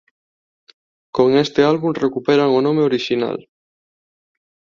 Con este álbum recuperan o nome orixinal.